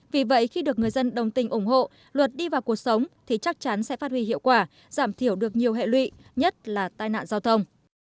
vì vậy khi được người dân đồng tình ủng hộ luật đi vào cuộc sống thì chắc chắn sẽ phát huy hiệu quả giảm thiểu được nhiều hệ lụy nhất là tai nạn giao thông